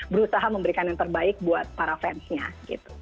berusaha memberikan yang terbaik buat para fansnya gitu